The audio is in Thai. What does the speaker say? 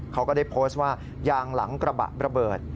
เขาก็ได้โพสต์ว่ายางหลังกระบะระเบิด